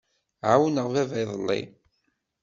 Ɛawneɣ baba iḍelli.